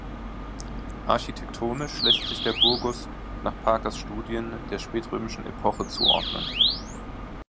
Architektonisch lässt sich der Burgus nach Parkers Studien der spätrömischen Epoche zuordnen.